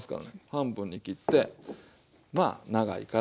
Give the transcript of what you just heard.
半分に切ってまあ長いから。